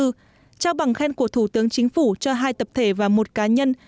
trao bằng khen của thủ tướng chính phủ cho hai tập thể và một cá nhân